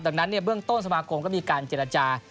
ดังนั้นเบื้องต้นสมาคมก็มีการเจรจา